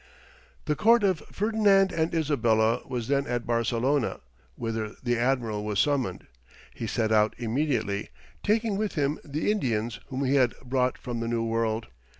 The court of Ferdinand and Isabella was then at Barcelona, whither the admiral was summoned. He set out immediately, taking with him the Indians whom he had brought from the New World.